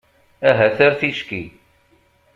Ahat ar ticki.